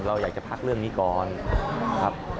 เราอยากจะพักเรื่องนี้ก่อนครับ